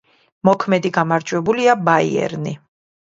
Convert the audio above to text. მოქმედი გამარჯვებულია „ბაიერნი“.